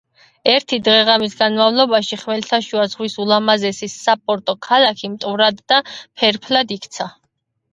ერთი დღე-ღამის განმავლობაში ხმელთაშუა ზღვის ულამაზესი საპორტო ქალაქი მტვრად და ფერფლად იქცა.